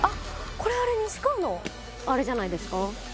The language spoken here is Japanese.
これあれ西川のあれじゃないですか？